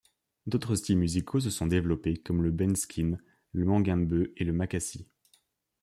D’autres styles musicaux se sont développés comme le Bend-skin, le mangambeu, et le Makassi.